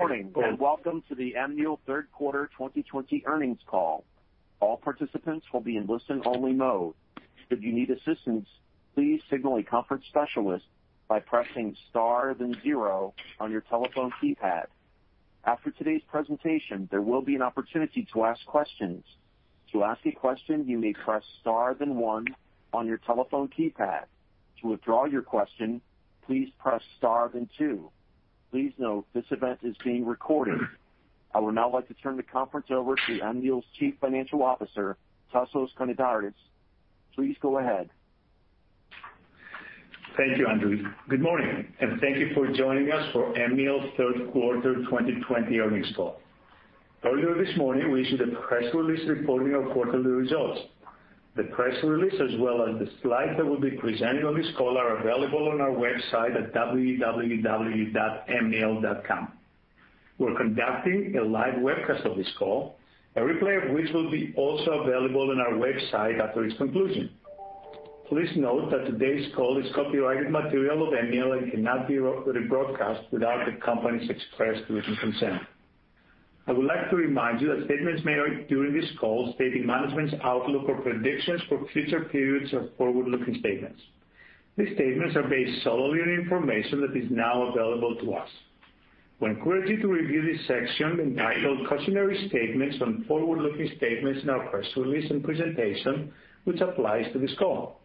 Morning, welcome to the Amneal third quarter 2020 earnings call. All participants will be in listen-only mode. Should you need assistance, please signal the conference specialist by pressing star then zero on your telephone keypad. After today's presentation, there will be an opportunity to ask questions. Please note, this event is being recorded. I would now like to turn the conference over to Amneal's Chief Financial Officer, Tasos Konidaris. Please go ahead. Thank you, Andrew. Good morning, and thank you for joining us for Amneal's third quarter 2020 earnings call. Earlier this morning, we issued a press release reporting our quarterly results. The press release, as well as the slides that will be presented on this call, are available on our website at www.amneal.com. We're conducting a live webcast of this call, a replay of which will be also available on our website after its conclusion. Please note that today's call is copyrighted material of Amneal and cannot be rebroadcast without the company's express written consent. I would like to remind you that statements made during this call stating management's outlook or predictions for future periods are forward-looking statements. These statements are based solely on information that is now available to us. We encourage you to review the section entitled Customary Statements on Forward-Looking Statements in our press release and presentation, which applies to this call.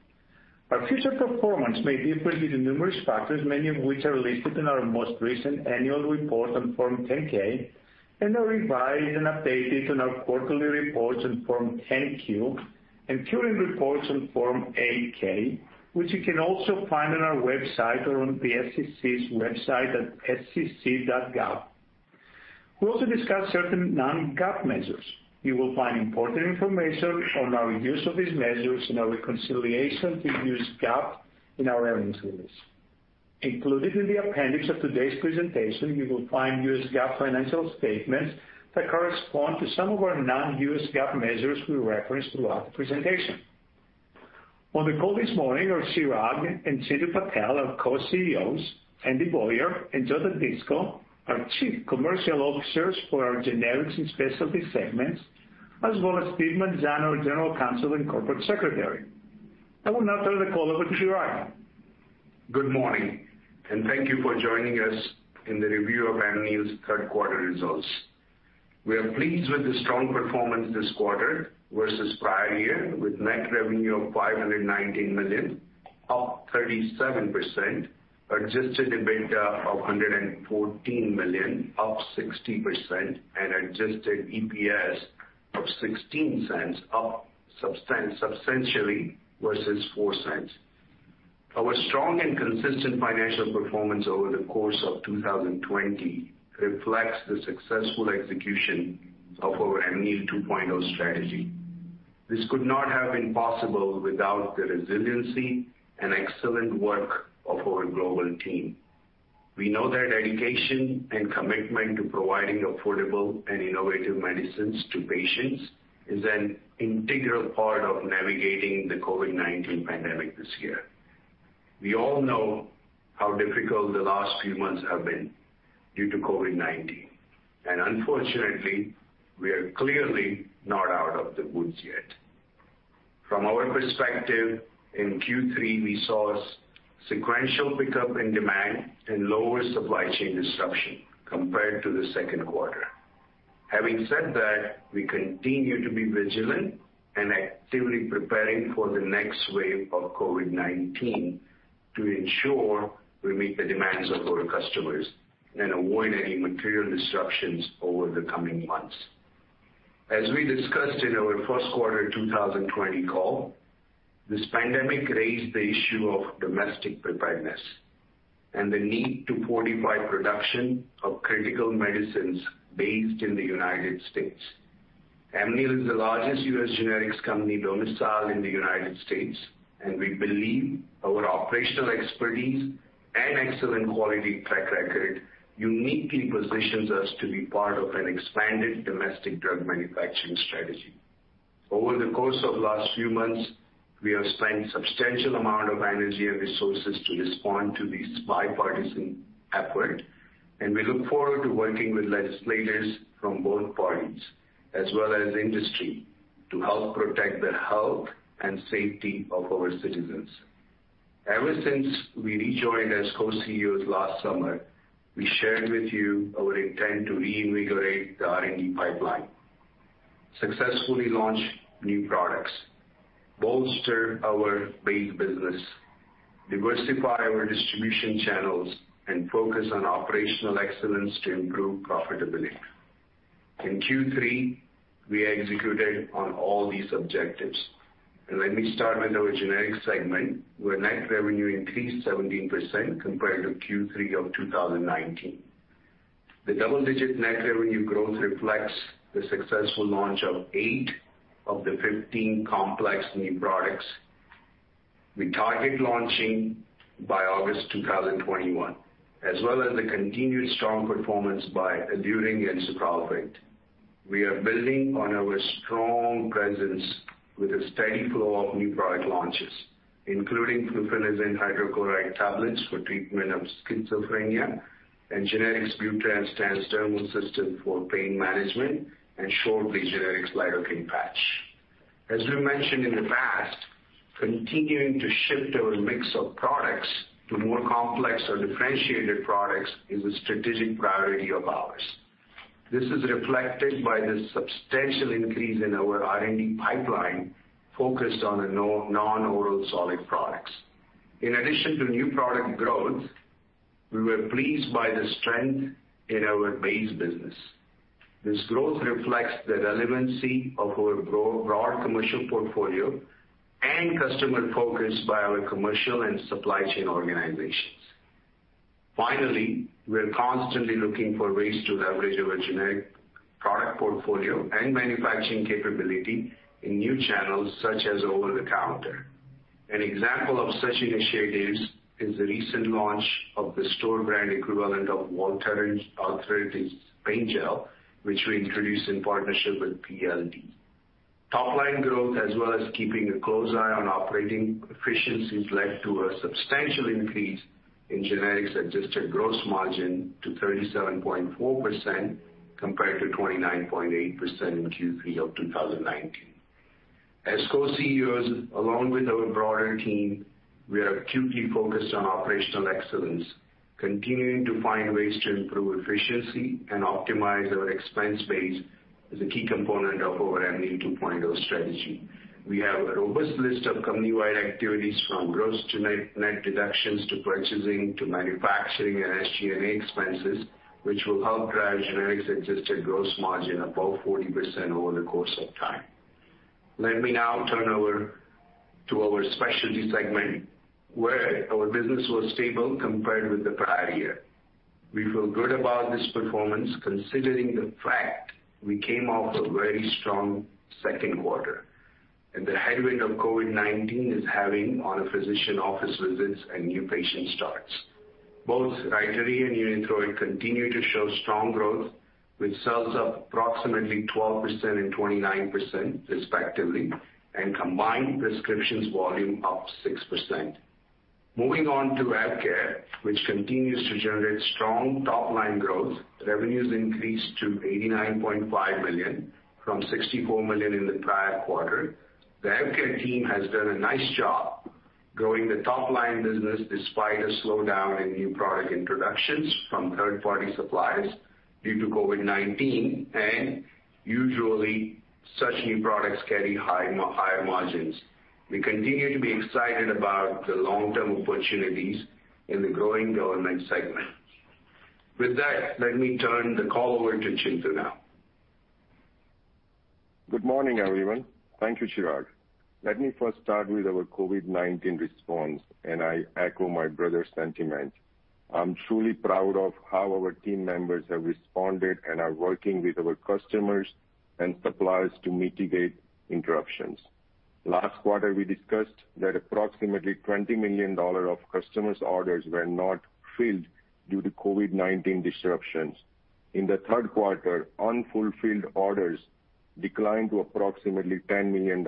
Our future performance may differ due to numerous factors, many of which are listed in our most recent annual report on Form 10-K, are revised and updated on our quarterly reports on Form 10-Q, and current reports on Form 8-K, which you can also find on our website or on the SEC's website at sec.gov. We will also discuss certain non-GAAP measures. You will find important information on our use of these measures and our reconciliation to use GAAP in our earnings release. Included in the appendix of today's presentation, you will find U.S. GAAP financial statements that correspond to some of our non-U.S. GAAP measures we reference throughout the presentation. On the call this morning are Chirag and Chintu Patel, our co-CEOs, Andy Boyer and Joseph Todisco, our chief commercial officers for our Generics and Specialty segments, as well as Steve Manzano, our general counsel and corporate secretary. I will now turn the call over to Chirag. Good morning, thank you for joining us in the review of Amneal's third quarter results. We are pleased with the strong performance this quarter versus prior year, with net revenue of $519 million, up 37%, Adjusted EBITDA of $114 million, up 60%, and adjusted EPS of $0.16, up substantially versus $0.04. Our strong and consistent financial performance over the course of 2020 reflects the successful execution of our Amneal 2.0 strategy. This could not have been possible without the resiliency and excellent work of our global team. We know that dedication and commitment to providing affordable and innovative medicines to patients is an integral part of navigating the COVID-19 pandemic this year. We all know how difficult the last few months have been due to COVID-19, and unfortunately, we are clearly not out of the woods yet. From our perspective, in Q3, we saw sequential pickup in demand and lower supply chain disruption compared to the second quarter. Having said that, we continue to be vigilant and actively preparing for the next wave of COVID-19 to ensure we meet the demands of our customers and avoid any material disruptions over the coming months. As we discussed in our first quarter 2020 call, this pandemic raised the issue of domestic preparedness and the need to fortify production of critical medicines based in the United States. Amneal is the largest US generics company domiciled in the United States, and we believe our operational expertise and excellent quality track record uniquely positions us to be part of an expanded domestic drug manufacturing strategy. Over the course of last few months, we have spent substantial amount of energy and resources to respond to this bipartisan effort, and we look forward to working with legislators from both parties, as well as industry, to help protect the health and safety of our citizens. Ever since we rejoined as co-CEOs last summer, we shared with you our intent to reinvigorate the R&D pipeline, successfully launch new products, bolster our base business, diversify our distribution channels, and focus on operational excellence to improve profitability. In Q3, we executed on all these objectives. Let me start with our Generics segment, where net revenue increased 17% compared to Q3 of 2019. The double-digit net revenue growth reflects the successful launch of eight of the 15 complex new products we target launching by August 2021, as well as the continued strong performance by Aduryn and sucralfate. We are building on our strong presence with a steady flow of new product launches, including fluphenazine hydrochloride tablets for treatment of schizophrenia and generics Butrans transdermal system for pain management, and shortly, generics lidocaine patch. As we mentioned in the past, continuing to shift our mix of products to more complex or differentiated products is a strategic priority of ours. This is reflected by the substantial increase in our R&D pipeline focused on non-oral solid products. In addition to new product growth, we were pleased by the strength in our base business. This growth reflects the relevancy of our broad commercial portfolio and customer focus by our commercial and supply chain organizations. Finally, we are constantly looking for ways to leverage our generic product portfolio and manufacturing capability in new channels such as over-the-counter. An example of such initiatives is the recent launch of the store brand equivalent of Voltaren Arthritis Pain Gel, which we introduced in partnership with PLD. Top line growth, as well as keeping a close eye on operating efficiencies, led to a substantial increase in generics adjusted gross margin to 37.4% compared to 29.8% in Q3 of 2019. As co-CEOs, along with our broader team, we are acutely focused on operational excellence, continuing to find ways to improve efficiency and optimize our expense base as a key component of our Amneal 2.0 strategy. We have a robust list of company-wide activities from gross-to-net deductions, to purchasing, to manufacturing and SG&A expenses, which will help drive generics adjusted gross margin above 40% over the course of time. Let me now turn to our specialty segment, where our business was stable compared with the prior year. We feel good about this performance considering the fact we came off a very strong second quarter and the headwind that COVID-19 is having on physician office visits and new patient starts. Both RYTARY and UNITHROID continue to show strong growth with sales up approximately 12% and 29% respectively, combined prescriptions volume up 6%. Moving on to AvKARE, which continues to generate strong top-line growth, revenues increased to $89.5 million from $64 million in the prior quarter. The AvKARE team has done a nice job growing the top-line business despite a slowdown in new product introductions from third-party suppliers due to COVID-19. Usually such new products carry higher margins. We continue to be excited about the long-term opportunities in the growing government segment. With that, let me turn the call over to Chintu now. Good morning, everyone. Thank you, Chirag. Let me first start with our COVID-19 response, and I echo my brother's sentiment. I'm truly proud of how our team members have responded and are working with our customers and suppliers to mitigate interruptions. Last quarter, we discussed that approximately $20 million of customers' orders were not filled due to COVID-19 disruptions. In the third quarter, unfulfilled orders declined to approximately $10 million.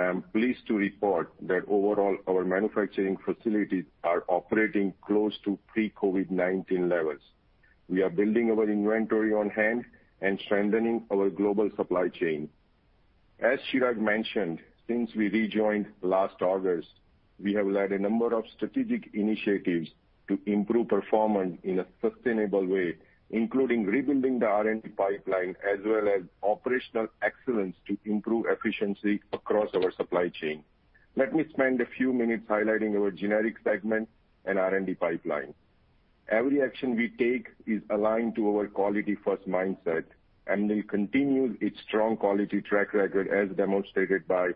I'm pleased to report that overall, our manufacturing facilities are operating close to pre-COVID-19 levels. We are building our inventory on hand and strengthening our global supply chain. As Chirag mentioned, since we rejoined last August, we have led a number of strategic initiatives to improve performance in a sustainable way, including rebuilding the R&D pipeline as well as operational excellence to improve efficiency across our supply chain. Let me spend a few minutes highlighting our generics segment and R&D pipeline. Every action we take is aligned to our quality-first mindset. Amneal continues its strong quality track record as demonstrated by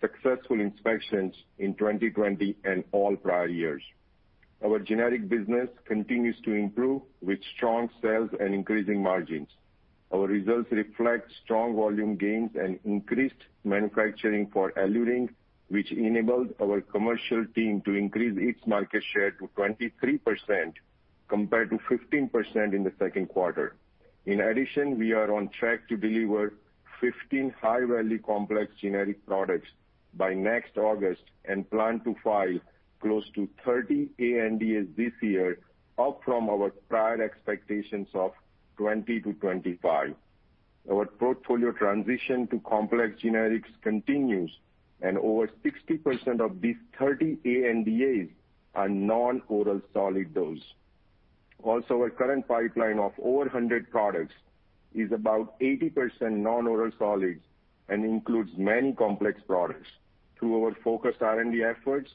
successful inspections in 2020 and all prior years. Our generic business continues to improve with strong sales and increasing margins. Our results reflect strong volume gains and increased manufacturing for EluRyng, which enabled our commercial team to increase its market share to 23% compared to 15% in the second quarter. In addition, we are on track to deliver 15 high-value complex generic products by next August and plan to file close to 30 ANDAs this year, up from our prior expectations of 20-25. Our portfolio transition to complex generics continues. Over 60% of these 30 ANDAs are non-oral solid dose. Our current pipeline of over 100 products is about 80% non-oral solids and includes many complex products. Through our focused R&D efforts,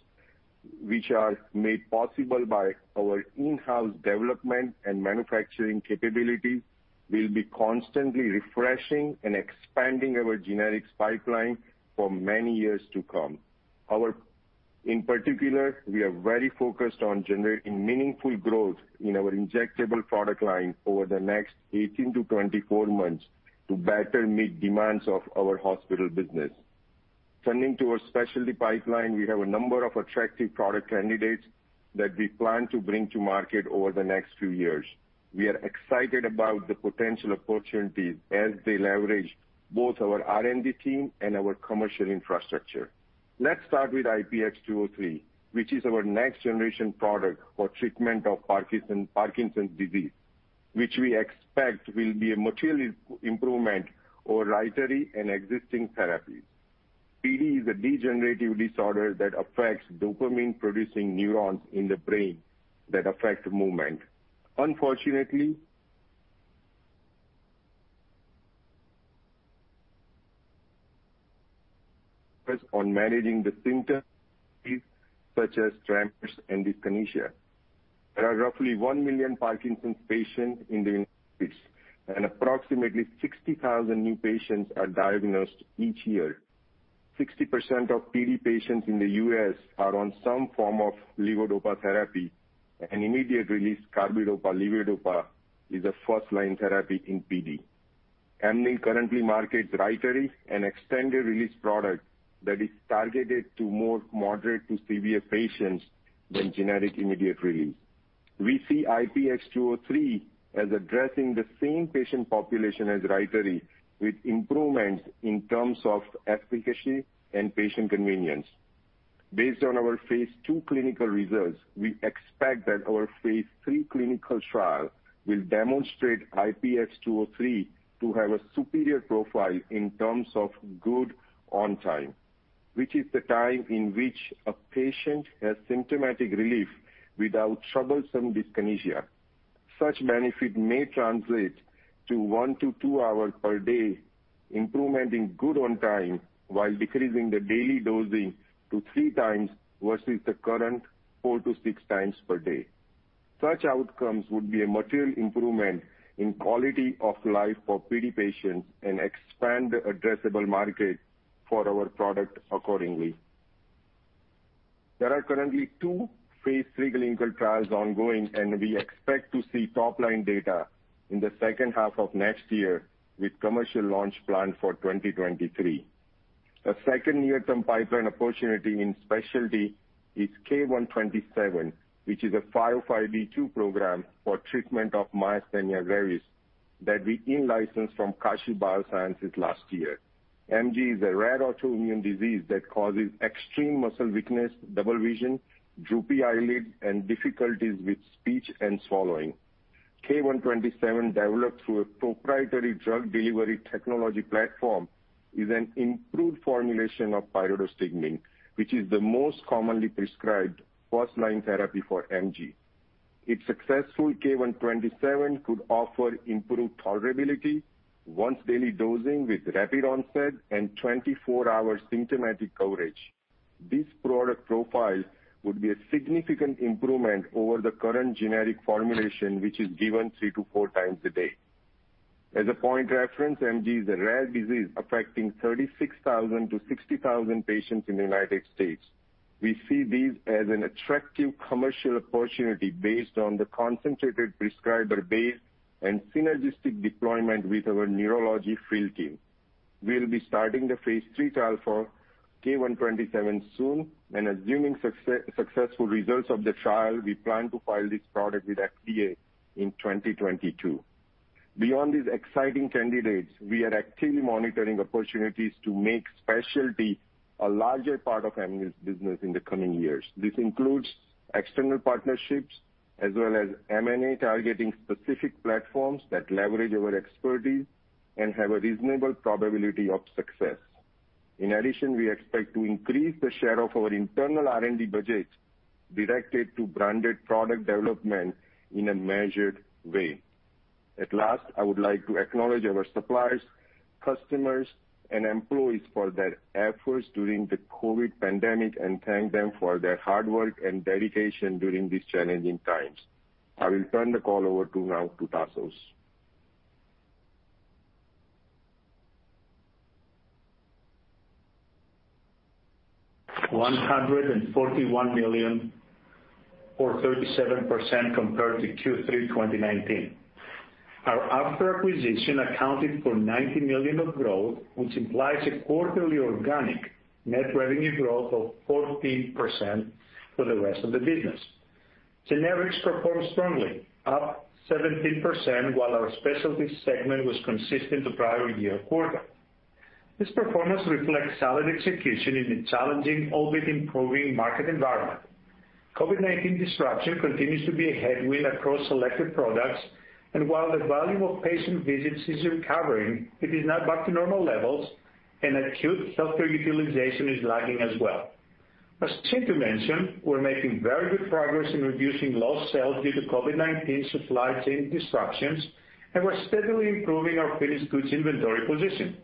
which are made possible by our in-house development and manufacturing capabilities, we'll be constantly refreshing and expanding our generics pipeline for many years to come. In particular, we are very focused on generating meaningful growth in our injectable product line over the next 18 to 24 months to better meet demands of our hospital business. Turning to our specialty pipeline, we have a number of attractive product candidates that we plan to bring to market over the next few years. We are excited about the potential opportunities as they leverage both our R&D team and our commercial infrastructure. Let's start with IPX-203, which is our next generation product for treatment of Parkinson's disease, which we expect will be a material improvement over RYTARY, an existing therapy. PD is a degenerative disorder that affects dopamine-producing neurons in the brain that affect movement. Unfortunately, focus on managing the symptoms, such as tremors and dyskinesia. There are roughly 1 million Parkinson's patients in the U.S., and approximately 60,000 new patients are diagnosed each year. 60% of PD patients in the U.S. are on some form of levodopa therapy, and immediate-release carbidopa/levodopa is a first-line therapy in PD. Amneal currently markets RYTARY, an extended release product that is targeted to more moderate to severe patients than generic immediate release. We see IPX-203 as addressing the same patient population as RYTARY, with improvements in terms of efficacy and patient convenience. Based on our phase II clinical results, we expect that our phase III clinical trial will demonstrate IPX-203 to have a superior profile in terms of good on time, which is the time in which a patient has symptomatic relief without troublesome dyskinesia. Such benefit may translate to one to two hours per day improvement in good on time, while decreasing the daily dosing to three times versus the current four to six times per day. Such outcomes would be a material improvement in quality of life for PD patients and expand the addressable market for our product accordingly. There are currently two phase III clinical trials ongoing, and we expect to see top-line data in the second half of next year, with commercial launch planned for 2023. A second near-term pipeline opportunity in specialty is K127, which is a 505(b)(2) program for treatment of myasthenia gravis that we in-licensed from Kashiv BioSciences last year. MG is a rare autoimmune disease that causes extreme muscle weakness, double vision, droopy eyelids, and difficulties with speech and swallowing. K127, developed through a proprietary drug delivery technology platform, is an improved formulation of pyridostigmine, which is the most commonly prescribed first-line therapy for MG. If successful, K127 could offer improved tolerability, once-daily dosing with rapid onset, and 24-hour symptomatic coverage. This product profile would be a significant improvement over the current generic formulation, which is given three to four times a day. As a point of reference, MG is a rare disease affecting 36,000 to 60,000 patients in the United States. We see this as an attractive commercial opportunity based on the concentrated prescriber base and synergistic deployment with our neurology field team. We'll be starting the phase III trial for K127 soon, and assuming successful results of the trial, we plan to file this product with FDA in 2022. Beyond these exciting candidates, we are actively monitoring opportunities to make specialty a larger part of Amneal's business in the coming years. This includes external partnerships as well as M&A, targeting specific platforms that leverage our expertise and have a reasonable probability of success. In addition, we expect to increase the share of our internal R&D budget directed to branded product development in a measured way. At last, I would like to acknowledge our suppliers, customers, and employees for their efforts during the COVID-19 pandemic and thank them for their hard work and dedication during these challenging times. I will turn the call over now to Tasos. $141 million or 37% compared to Q3 2019. Our after acquisition accounted for $90 million of growth, which implies a quarterly organic net revenue growth of 14% for the rest of the business. Generics performed strongly, up 17%, while our Specialty segment was consistent to prior year quarter. This performance reflects solid execution in a challenging, albeit improving, market environment. COVID-19 disruption continues to be a headwind across selected products, and while the volume of patient visits is recovering, it is not back to normal levels and acute healthcare utilization is lagging as well. As Chintu mentioned, we're making very good progress in reducing lost sales due to COVID-19 supply chain disruptions, and we're steadily improving our finished goods inventory position.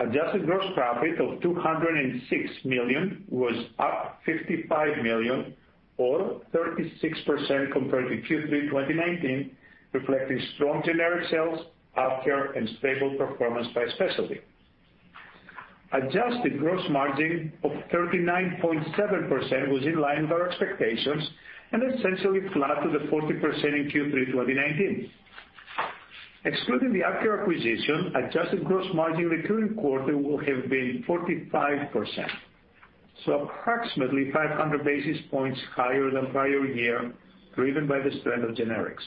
Adjusted gross profit of $206 million was up $55 million or 36% compared to Q3 2019, reflecting strong generic sales, after, and stable performance by Specialty. Adjusted gross margin of 39.7% was in line with our expectations and essentially flat to the 40% in Q3 2019. Excluding the AvKARE acquisition, adjusted gross margin recurring quarter will have been 45%. Approximately 500 basis points higher than prior year, driven by the strength of generics.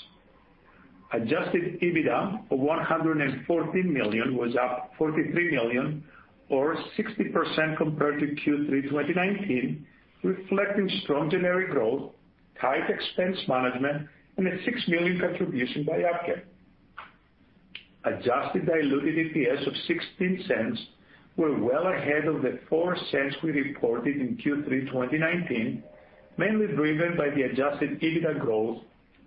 Adjusted EBITDA of $114 million was up $43 million or 60% compared to Q3 2019, reflecting strong generic growth, tight expense management, and a $6 million contribution by AvKARE. Adjusted diluted EPS of $0.16 were well ahead of the $0.04 we reported in Q3 2019, mainly driven by the Adjusted EBITDA growth,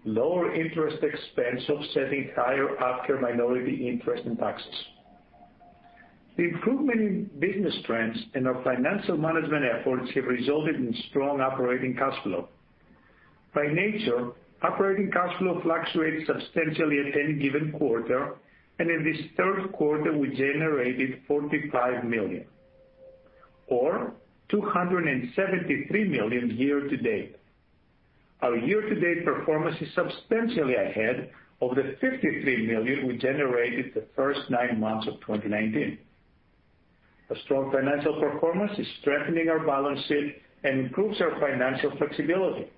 lower interest expense offsetting higher AvKARE minority interest and taxes. The improvement in business trends and our financial management efforts have resulted in strong operating cash flow. By nature, operating cash flow fluctuates substantially at any given quarter, and in this third quarter, we generated $45 million or $273 million year-to-date. Our year-to-date performance is substantially ahead of the $53 million we generated the first nine months of 2019. A strong financial performance is strengthening our balance sheet and improves our financial flexibility.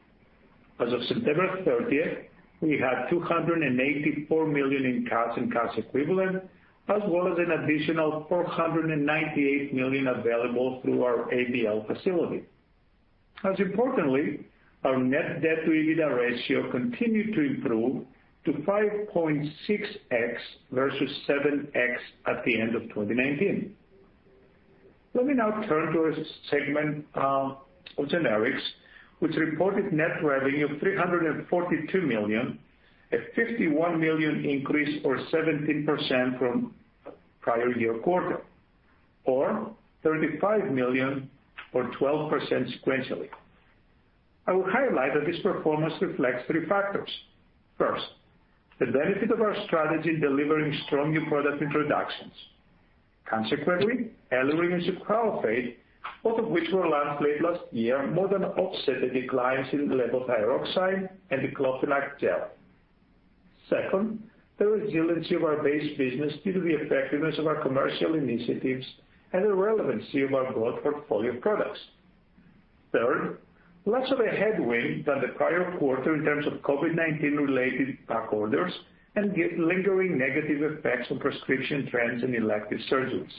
As of September 30th, we had $284 million in cash and cash equivalents, as well as an additional $498 million available through our ABL facility. Most importantly, our net debt to EBITDA ratio continued to improve to 5.6x versus 7x at the end of 2019. Let me now turn to our segment of generics, which reported net revenue of $342 million, a $51 million increase or 17% from prior-year quarter, or $35 million or 12% sequentially. I will highlight that this performance reflects three factors. First, the benefit of our strategy in delivering strong new product introductions. Consequently, early reviews of chloroquine phosphate, both of which were launched late last year, more than offset the declines in levothyroxine and the clobetasol gel. Second, the resiliency of our base business due to the effectiveness of our commercial initiatives and the relevancy of our growth portfolio products. Third, less of a headwind than the prior quarter in terms of COVID-19 related back orders and lingering negative effects on prescription trends and elective surgeries.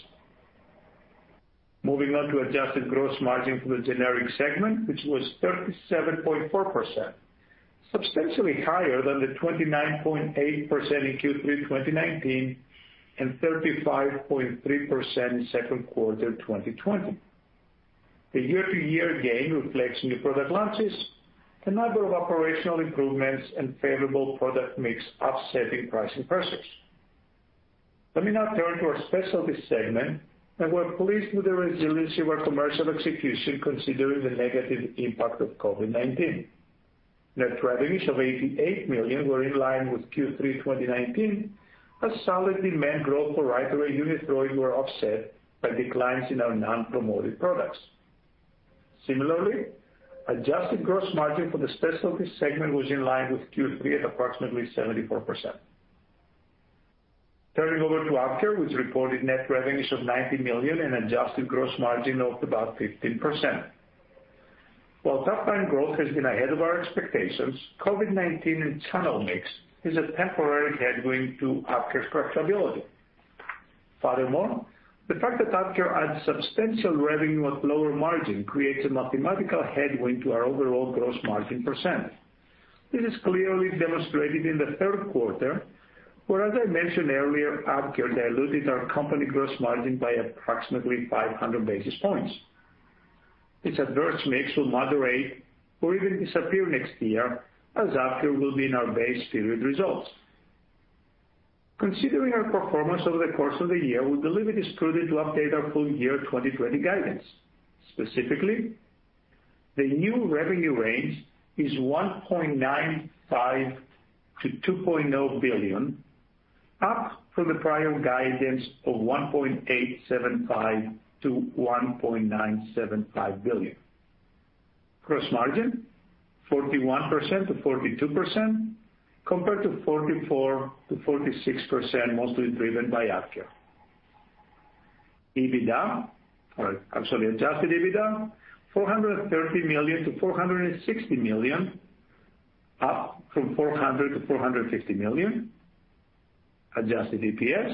Moving on to adjusted gross margin for the generic segment, which was 37.4%, substantially higher than the 29.8% in Q3 2019 and 35.3% in second quarter 2020. The year-to-year gain reflects new product launches, a number of operational improvements, and favorable product mix offsetting pricing pressures. Let me now turn to our specialty segment. We're pleased with the resiliency of our commercial execution considering the negative impact of COVID-19. Net revenues of $88 million were in line with Q3 2019. A solid demand growth for RYTARY and UNITHROID were offset by declines in our non-promoted products. Similarly, adjusted gross margin for the specialty segment was in line with Q3 at approximately 74%. Turning over to AvKARE, which reported net revenues of $90 million and adjusted gross margin of about 15%. While top-line growth has been ahead of our expectations, COVID-19 and channel mix is a temporary headwind to AvKARE's profitability. Furthermore, the fact that AvKARE adds substantial revenue at lower margin creates a mathematical headwind to our overall gross margin %. This is clearly demonstrated in the third quarter, where, as I mentioned earlier, AvKARE diluted our company gross margin by approximately 500 basis points. This adverse mix will moderate or even disappear next year as AvKARE will be in our base period results. Considering our performance over the course of the year, we believe it is prudent to update our full year 2020 guidance. Specifically, the new revenue range is $1.95 billion-$2.0 billion, up from the prior guidance of $1.875 billion-$1.975 billion. Gross margin 41%-42%, compared to 44%-46%, mostly driven by AvKARE. EBITDA, or actually Adjusted EBITDA, $430 million-$460 million, up from $400 million-$450 million. Adjusted EPS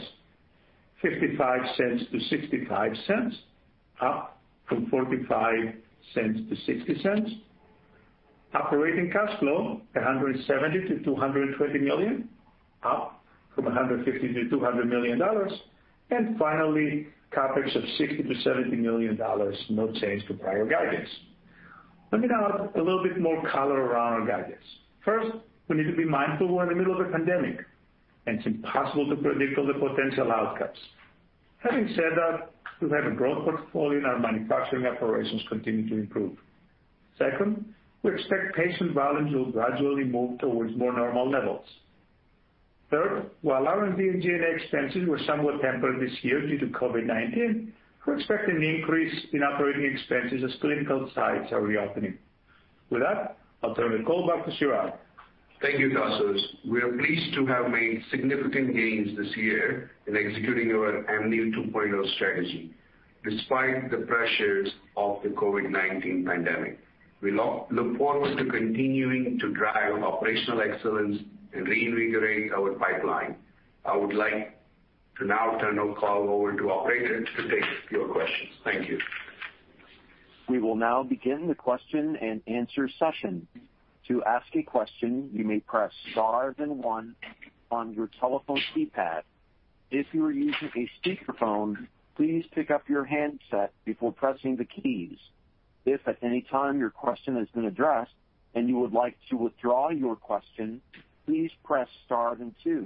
$0.55-$0.65, up from $0.45-$0.60. Operating cash flow $170 million-$220 million, up from $150 million-$200 million. Finally, CapEx of $60 million-$70 million, no change to prior guidance. Let me now add a little bit more color around our guidance. First, we need to be mindful we're in the middle of a pandemic, and it's impossible to predict all the potential outcomes. Having said that, we have a growth portfolio and our manufacturing operations continue to improve. Second, we expect patient volumes will gradually move towards more normal levels. Third, while R&D and G&A expenses were somewhat tempered this year due to COVID-19, we expect an increase in operating expenses as clinical sites are reopening. With that, I'll turn the call back to Chirag. Thank you, Tasos. We are pleased to have made significant gains this year in executing our Amneal 2.0 strategy, despite the pressures of the COVID-19 pandemic. We look forward to continuing to drive operational excellence and reinvigorate our pipeline. I would like to now turn the call over to operators to take your questions. Thank you. We will now begin the question and answer session. To ask a question, you may press star then one on your telephone keypad. If you are using a speakerphone, please pick up your handset before pressing the keys. If at any time your question has been addressed and you would like to withdraw your question, please press star and two.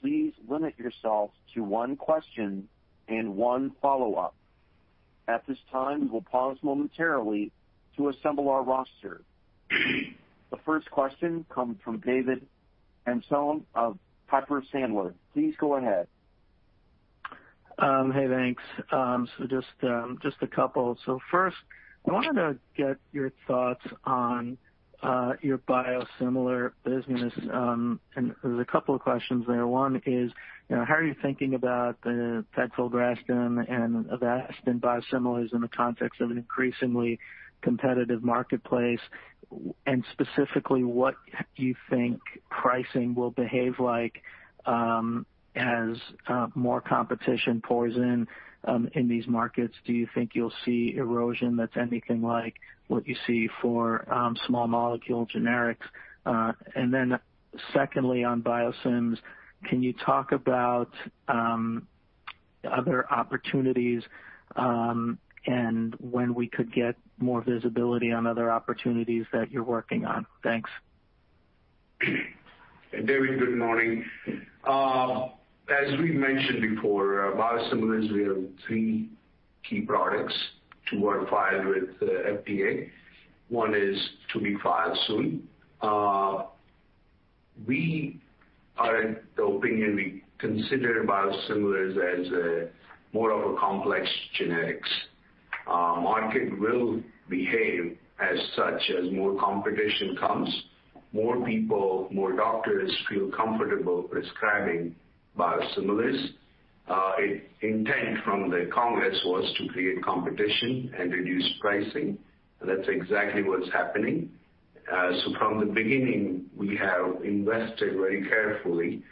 Please limit yourself to one question and one follow-up. At this time, we will pause momentarily to assemble our roster. The first question comes from David Amsellem of Piper Sandler. Please go ahead. Hey, thanks. Just a couple. First, I wanted to get your thoughts on your biosimilar business. There's a couple of questions there. One is, how are you thinking about the pegfilgrastim and Avastin biosimilars in the context of an increasingly competitive marketplace? Specifically, what do you think pricing will behave like as more competition pours in these markets? Do you think you'll see erosion that's anything like what you see for small molecule generics? Secondly, on biosims, can you talk about other opportunities, and when we could get more visibility on other opportunities that you're working on? Thanks. David, good morning. As we mentioned before, biosimilars, we have three key products to our file with FDA. One is to be filed soon. We are in the opinion, we consider biosimilars as more of a complex generics. Market will behave as such, as more competition comes, more people, more doctors feel comfortable prescribing biosimilars. Intent from the Congress was to create competition and reduce pricing. That's exactly what's happening. From the beginning, we have invested very carefully.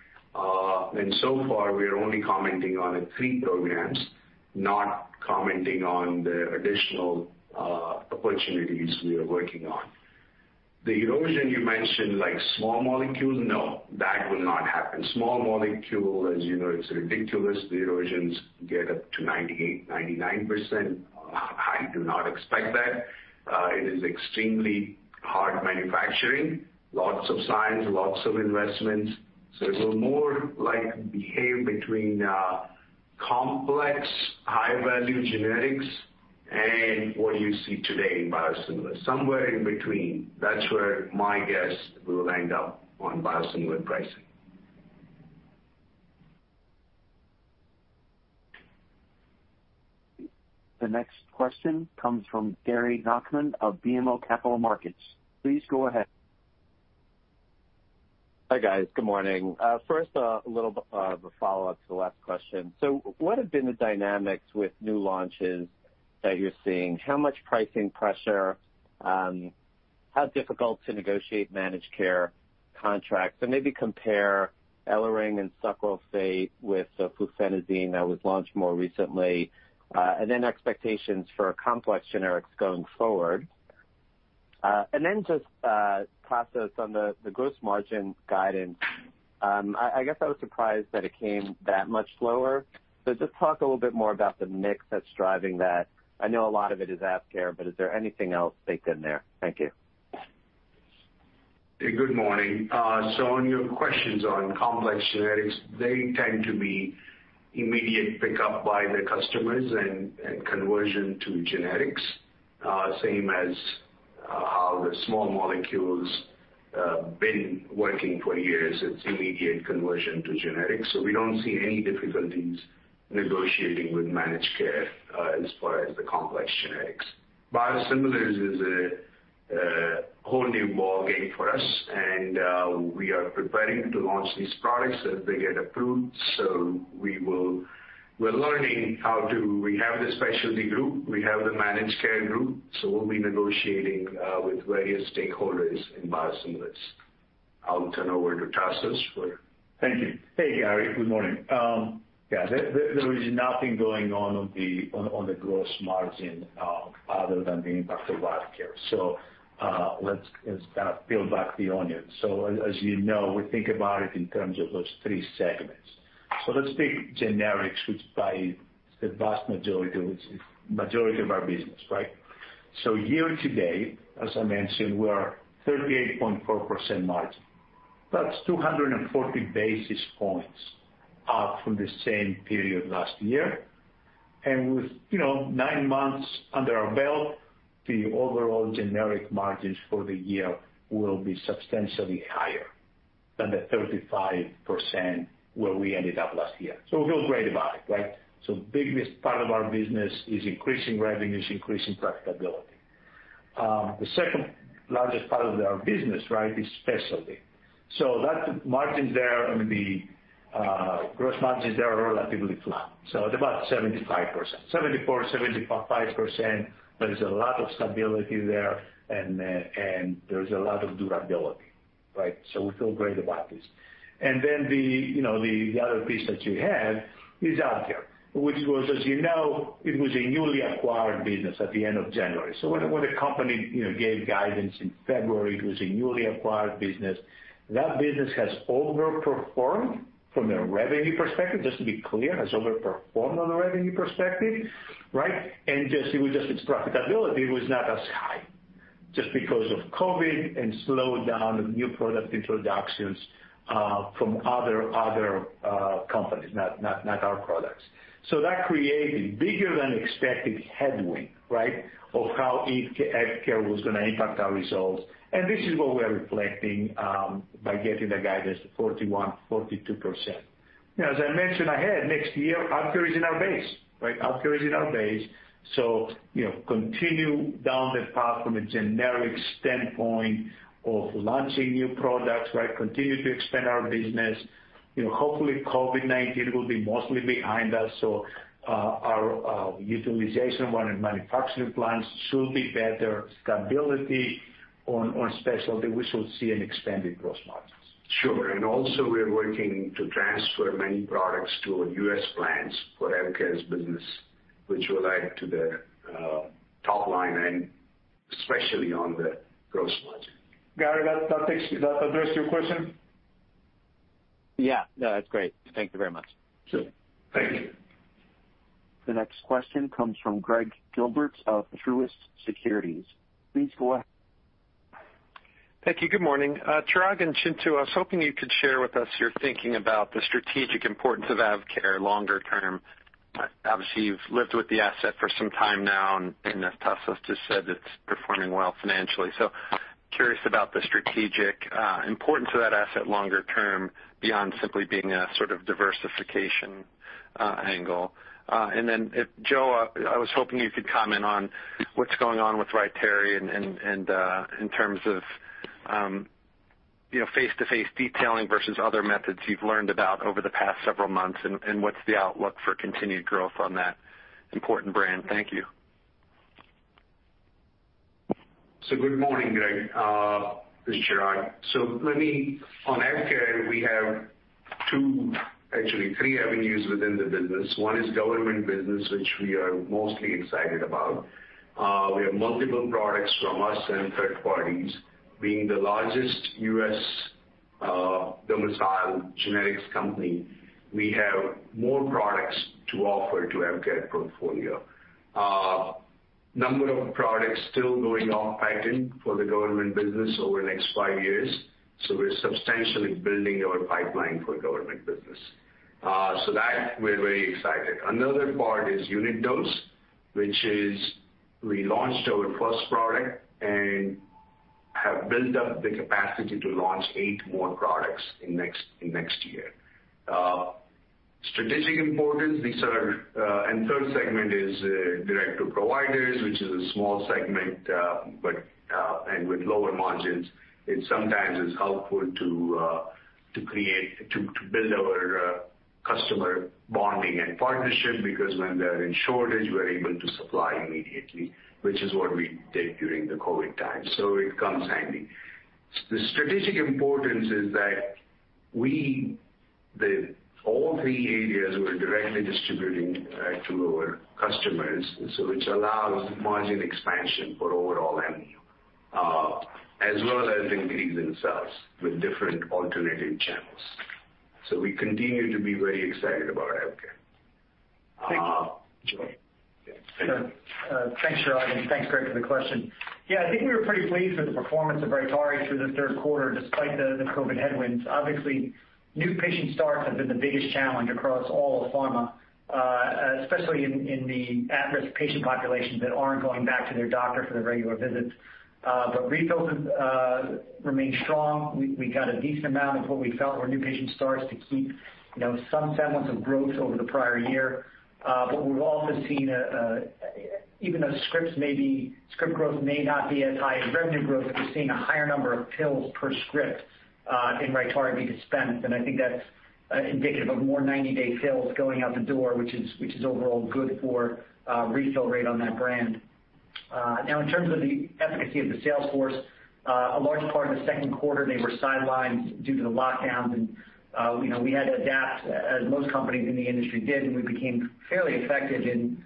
So far, we are only commenting on three programs, not commenting on the additional opportunities we are working on. The erosion you mentioned, like small molecule, no. That will not happen. Small molecule, as you know, it's ridiculous. The erosions get up to 98%, 99%. I do not expect that. It is extremely hard manufacturing, lots of science, lots of investments. It will more like behave between complex high-value generics and what you see today in biosimilars, somewhere in between. That's where my guess we will end up on biosimilar pricing. The next question comes from Gary Nachman of BMO Capital Markets. Please go ahead. Hi, guys. Good morning. First, a little bit of a follow-up to the last question. What have been the dynamics with new launches that you're seeing? How much pricing pressure? How difficult to negotiate managed care contracts? Maybe compare EluRyng and sucralfate with fluphenazine that was launched more recently. Expectations for complex generics going forward. Just Tasos, on the gross margin guidance, I guess I was surprised that it came that much lower. Just talk a little bit more about the mix that's driving that. I know a lot of it is AvKARE, but is there anything else baked in there? Thank you. Good morning. On your questions on complex generics, they tend to be immediate pickup by the customers and conversion to generics. Same as how the small molecules have been working for years. It's immediate conversion to generics, we don't see any difficulties negotiating with managed care as far as the complex generics. Biosimilars is a whole new ball game for us, we are preparing to launch these products as they get approved. We're learning how do we have the specialty group, we have the managed care group, we'll be negotiating with various stakeholders in biosimilars. I'll turn over to Tasos for Thank you. Hey, Gary, good morning. Yeah, there is nothing going on the gross margin other than the impact of Vital Care. Let's kind of peel back the onion. As you know, we think about it in terms of those three segments. Let's take generics, which by the vast majority of our business, right? Year-to-date, as I mentioned, were 38.4% margin, that's 240 basis points from the same period last year. And with nine months under our belt, the overall generic margins for the year will be substantially higher than the 35% where we ended up last year. We feel great about it. The biggest part of our business is increasing revenues, increasing profitability. The second-largest part of our business is specialty. The gross margins there are relatively flat, so at about 75%. 74%, 75%, there is a lot of stability there and there is a lot of durability. We feel great about this. The other piece that you have is AvKARE, which was, as you know, it was a newly acquired business at the end of January. When the company gave guidance in February, it was a newly acquired business. That business has overperformed from a revenue perspective, just to be clear, has overperformed on a revenue perspective. Just its profitability was not as high just because of COVID-19 and slowdown of new product introductions from other companies, not our products. That created bigger than expected headwind of how AvKARE was going to impact our results, and this is what we're reflecting by getting the guidance of 41%, 42%. As I mentioned, ahead next year, AvKARE is in our base. AvKARE is in our base. Continue down the path from a generics standpoint of launching new products, continue to expand our business. Hopefully COVID-19 will be mostly behind us. Our utilization of our manufacturing plants should be better. Stability on specialty, we should see an expanded gross margins. Sure, also we're working to transfer many products to our U.S. plants for AvKARE's business, which will add to the top line and especially on the gross margin. Gary, does that address your question? Yeah. No, that's great. Thank you very much. Sure. Thank you. The next question comes from Gregg Gilbert of Truist Securities. Please go ahead. Thank you. Good morning. Chirag and Chintu, I was hoping you could share with us your thinking about the strategic importance of AvKARE longer term. Obviously, you've lived with the asset for some time now, and Tasos just said it's performing well financially. Curious about the strategic importance of that asset longer term, beyond simply being a sort of diversification angle. Joe, I was hoping you could comment on what's going on with RYTARY and in terms of face-to-face detailing versus other methods you've learned about over the past several months, and what's the outlook for continued growth on that important brand. Thank you. Good morning, Gregg. This is Chirag. On AvKARE, we have two, actually three avenues within the business. One is government business, which we are mostly excited about. We have multiple products from us and third parties. Being the largest U.S. domicile generics company, we have more products to offer to AvKARE portfolio. Number of products still going off patent for the government business over the next five years, we're substantially building our pipeline for government business. That, we're very excited. Another part is unit dose, which is we launched our first product and have built up the capacity to launch eight more products in next year. Strategic importance. The third segment is direct to providers, which is a small segment, and with lower margins, it sometimes is helpful to build our customer bonding and partnership because when they're in shortage, we're able to supply immediately, which is what we did during the COVID-19 time. It comes handy. The strategic importance is that all three areas we're directly distributing direct to our customers, which allows margin expansion for overall Amneal, as well as increasing sales with different alternative channels. We continue to be very excited about AvKARE. Thank you. Joe? Thanks, Chirag, and thanks Gregg for the question. Yeah, I think we were pretty pleased with the performance of RYTARY through the third quarter, despite the COVID headwinds. Obviously, new patient starts have been the biggest challenge across all of pharma, especially in the at-risk patient populations that aren't going back to their doctor for their regular visits. Refills have remained strong. We got a decent amount of what we felt were new patient starts to keep some semblance of growth over the prior year. We've also seen even though script growth may not be as high as revenue growth, we've seen a higher number of pills per script in RYTARY be dispensed, and I think that's indicative of more 90-day fills going out the door, which is overall good for refill rate on that brand. Now, in terms of the efficacy of the sales force, a large part of the second quarter, they were sidelined due to the lockdowns, and we had to adapt, as most companies in the industry did, and we became fairly effective in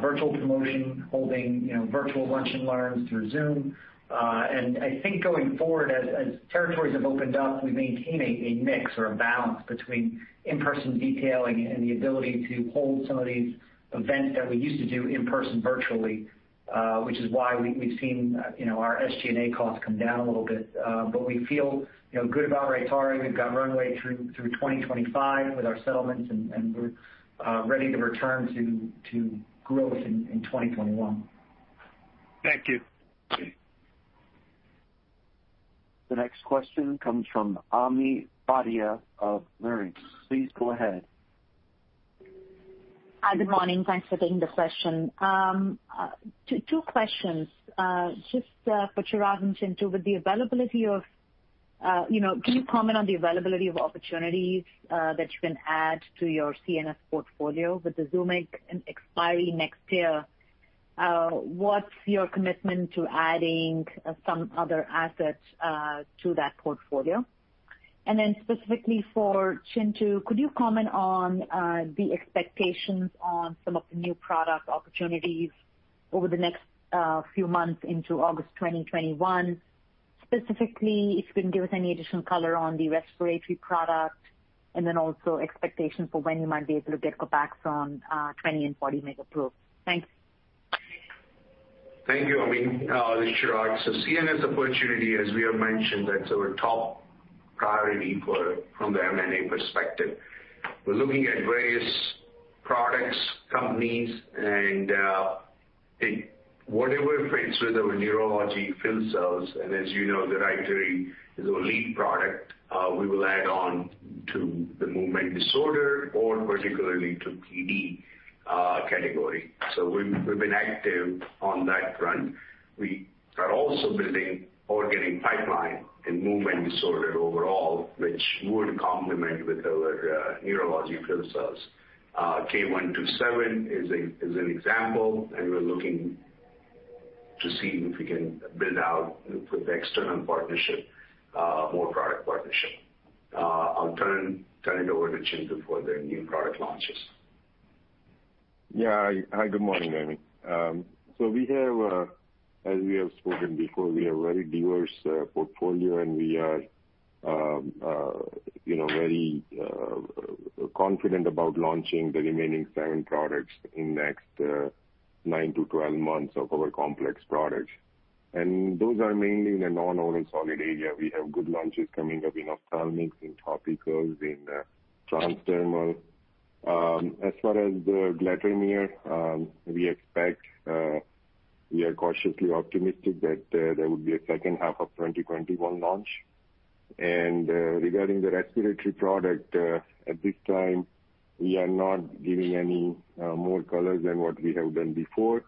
virtual promotion, holding virtual lunch and learns through Zoom. I think going forward, as territories have opened up, we maintain a mix or a balance between in-person detailing and the ability to hold some of these events that we used to do in person virtually, which is why we've seen our SG&A costs come down a little bit. We feel good about RYTARY. We've got runway through 2025 with our settlements, and we're ready to return to growth in 2021. Thank you. The next question comes from Ami Fadia of Leerink. Please go ahead. Hi, good morning. Thanks for taking the question. Two questions. Just for Chirag and Chintu, can you comment on the availability of opportunities that you can add to your CNS portfolio with the XUMENG expiry next year? What's your commitment to adding some other assets to that portfolio? Specifically for Chintu, could you comment on the expectations on some of the new product opportunities over the next few months into August 2021? Specifically, if you can give us any additional color on the respiratory product, and then also expectation for when you might be able to get COPAXONE 20 mg and 40 mg approved. Thanks. Thank you, Ami. This is Chirag. CNS opportunity, as we have mentioned, that's our top priority from the M&A perspective. We're looking at various products, companies, and whatever fits with our neurology field sales. As you know, RYTARY is our lead product. We will add on to the movement disorder or particularly to PD category. We've been active on that front. We are also building organic pipeline in movement disorder overall, which would complement with our neurology field sales. K127 is an example, and we're looking to see if we can build out with external partnership, more product partnership. I'll turn it over to Chintu for the new product launches. Hi, good morning, Ami. We have, as we have spoken before, we have very diverse portfolio, and we are very confident about launching the remaining seven products in next nine to 12 months of our complex products. Those are mainly in the non-oral solid area. We have good launches coming up in ophthalmics, in topicals, in transdermal. As far as the glatiramer, we are cautiously optimistic that there would be a second half of 2021 launch. Regarding the respiratory product, at this time, we are not giving any more color than what we have done before,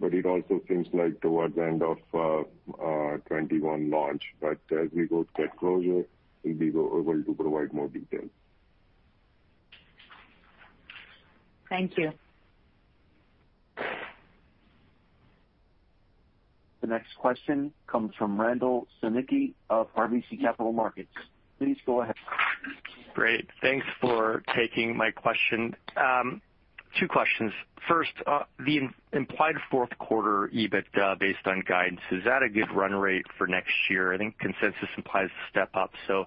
but it also seems like towards end of 2021 launch. As we go get closer, we'll be able to provide more details. Thank you. The next question comes from Randall Stanicky of RBC Capital Markets. Please go ahead. Great. Thanks for taking my question. Two questions. First, the implied fourth quarter EBIT based on guidance, is that a good run rate for next year? I think consensus implies a step-up, so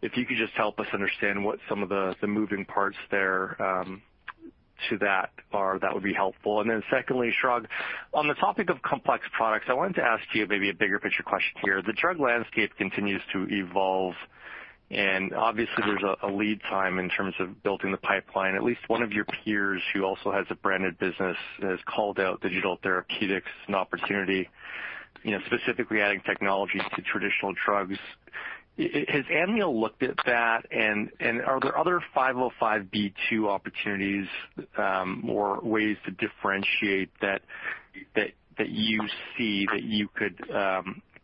if you could just help us understand what some of the moving parts there to that are, that would be helpful. Secondly, Chirag, on the topic of complex products, I wanted to ask you maybe a bigger picture question here. The drug landscape continues to evolve, and obviously there's a lead time in terms of building the pipeline. At least one of your peers who also has a branded business has called out digital therapeutics an opportunity, specifically adding technologies to traditional drugs. Has Amneal looked at that, and are there other 505(b)(2) opportunities or ways to differentiate that you see that you could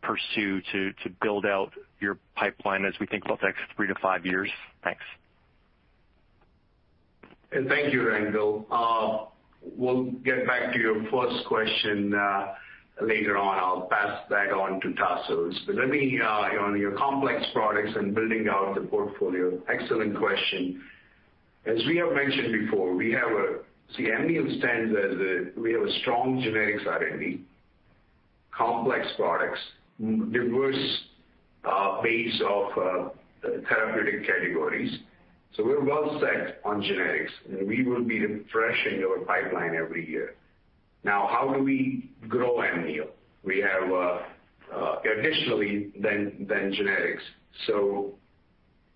pursue to build out your pipeline as we think about the next three to five years? Thanks. Thank you, Randall. We'll get back to your first question later on. I'll pass that on to Tasos. Let me on your complex products and building out the portfolio. Excellent question. As we have mentioned before, see, Amneal stands as we have a strong generics R&D, complex products, diverse base of therapeutic categories. We're well set on generics, and we will be refreshing our pipeline every year. Now, how do we grow Amneal? We have additionally than generics.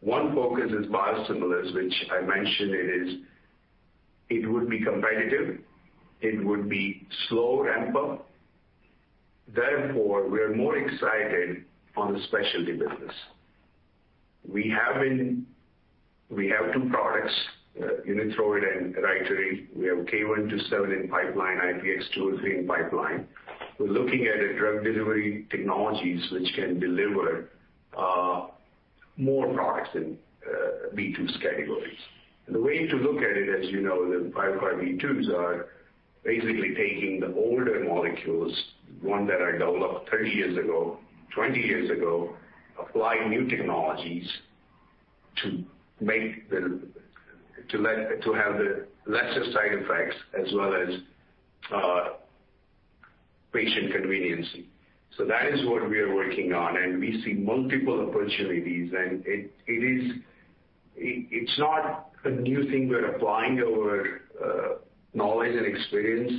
One focus is biosimilars, which I mentioned it is, it would be competitive, it would be slow ramp-up. Therefore, we are more excited on the specialty business. We have two products, UNITHROID and RYTARY. We have K127 in pipeline, IPX203 in pipeline. We're looking at drug delivery technologies which can deliver more products in twos categories. The way to look at it, as you know, the 505(b)(2)s are basically taking the older molecules, one that are developed 30 years ago, 20 years ago, apply new technologies to have the lesser side effects as well as patient convenience. That is what we are working on, and we see multiple opportunities. It's not a new thing. We're applying our knowledge and experience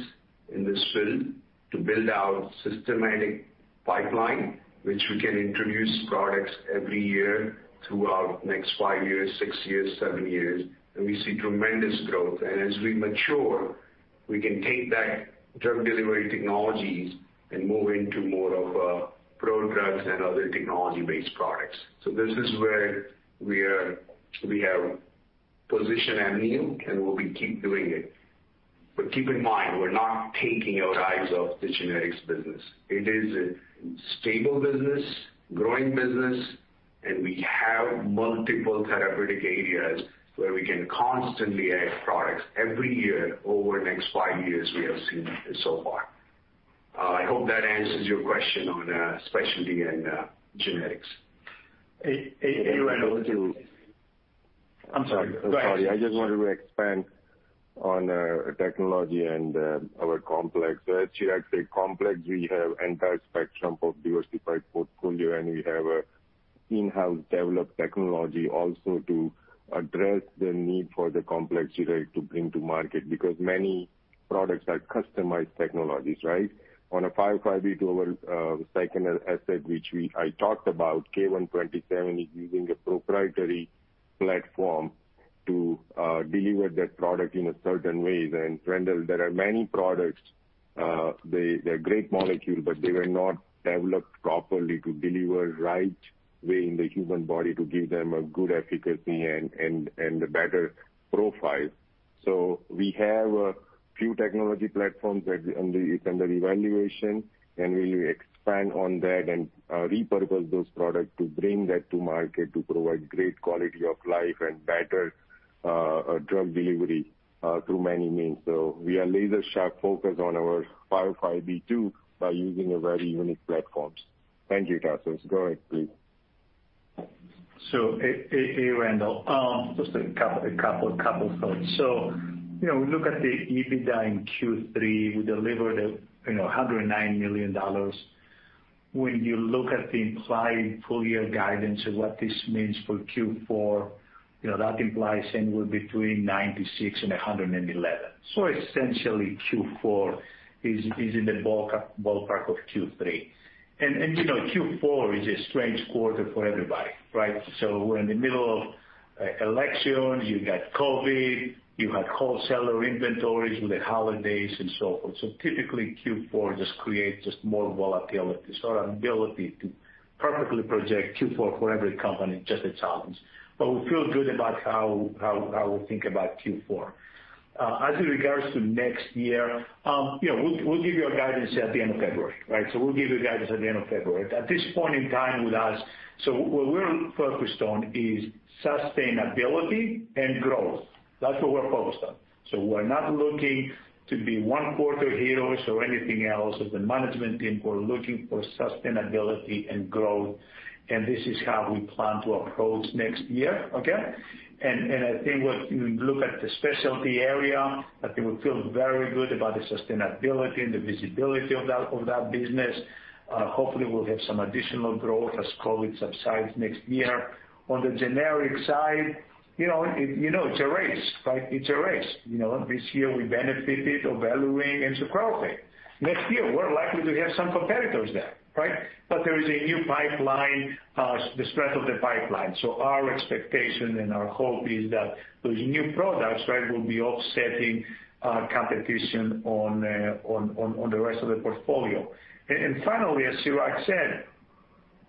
in this field to build out systematic pipeline, which we can introduce products every year throughout next five years, six years, seven years, and we see tremendous growth. As we mature, we can take that drug delivery technologies and move into more of prod drugs and other technology-based products. This is where we have positioned Amneal, and we'll be keep doing it. Keep in mind, we're not taking our eyes off the generics business. It is a stable business, growing business. We have multiple therapeutic areas where we can constantly add products every year over the next five years, we have seen so far. I hope that answers your question on specialty and generics. Hey, Randall. If I could too. I'm sorry. Go ahead, Chirag. I'm sorry. I just wanted to expand on technology and our complex. At Chirag's complex, we have entire spectrum of diversified portfolio, and we have in-house developed technology also to address the need for the complex generic to bring to market. Because many products are customized technologies, right? On a 505(b)(2), our second asset, which I talked about, K127, is using a proprietary platform to deliver that product in a certain way. Randall, there are many products, they're great molecules, but they were not developed properly to deliver right way in the human body to give them a good efficacy and better profile. We have a few technology platforms that is under evaluation, and we will expand on that and repurpose those product to bring that to market to provide great quality of life and better drug delivery through many means. We are laser sharp focused on our 505(b)(2) by using a very unique platforms. Thank you, Tasos. Go ahead, please. Hey, Randall. Just a couple of thoughts. We look at the EBITDA in Q3. We delivered $109 million. When you look at the implied full year guidance and what this means for Q4, that implies anywhere between $96 million and $111 million. Essentially, Q4 is in the ballpark of Q3. Q4 is a strange quarter for everybody, right? We're in the middle of election, you've got COVID-19, you have wholesaler inventories with the holidays and so forth. Typically, Q4 just creates more volatility. Our ability to perfectly project Q4 for every company is just a challenge. We feel good about how we think about Q4. In regards to next year, we'll give you our guidance at the end of February, right? We'll give you guidance at the end of February. At this point in time with us, what we're focused on is sustainability and growth. That's what we're focused on. We're not looking to be one quarter heroes or anything else as the management team. We're looking for sustainability and growth, and this is how we plan to approach next year. Okay. I think when we look at the specialty area, I think we feel very good about the sustainability and the visibility of that business. Hopefully, we'll have some additional growth as COVID subsides next year. On the generic side, it's a race, right? It's a race. This year we benefited on valacyclovir and sucralfate. Next year, we're likely to have some competitors there, right? There is a new pipeline, the strength of the pipeline. Our expectation and our hope is that those new products, right, will be offsetting competition on the rest of the portfolio. Finally, as Chirag said,